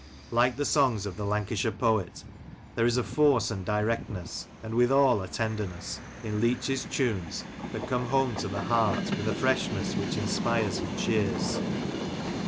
Like the songs of the Lancashire poet, there is a force and directness, and withal a tenderness, in Leach's tunes that come home to the heart with a freshness which inspires and cheers.